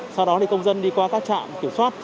sau đó công dân đi qua các trạm kiểm soát